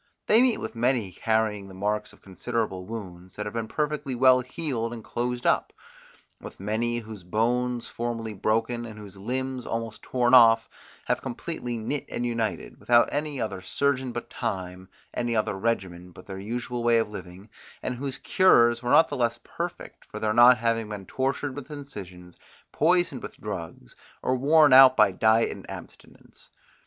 They meet with many carrying the marks of considerable wounds, that have been perfectly well healed and closed up; with many, whose bones formerly broken, and whose limbs almost torn off, have completely knit and united, without any other surgeon but time, any other regimen but their usual way of living, and whose cures were not the less perfect for their not having been tortured with incisions, poisoned with drugs, or worn out by diet and abstinence.